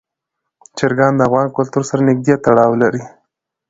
چرګان د افغان کلتور سره نږدې تړاو لري.